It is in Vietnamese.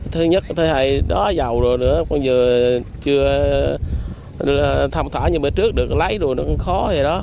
thứ nhất thế hệ đó giàu rồi nữa còn vừa chưa thẩm thỏa như bữa trước được lấy rồi nó cũng khó vậy đó